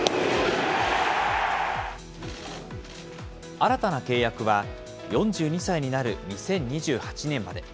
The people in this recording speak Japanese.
新たな契約は、４２歳になる２０２８年まで。